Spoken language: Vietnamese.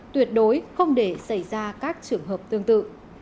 tuyệt đối không để xảy ra các trường hợp tương tự